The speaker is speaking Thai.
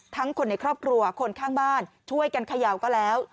คนในครอบครัวคนข้างบ้านช่วยกันเขย่าก็แล้ว